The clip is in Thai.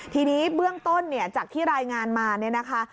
ทีนี้เบื้องต้นเนี่ยจากที่รายงานมาเนี่ยนะคะ